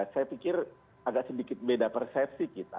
saya pikir agak sedikit beda persepsi kita